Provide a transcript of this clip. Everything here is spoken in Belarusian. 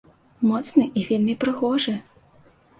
Моцны і вельмі прыгожы.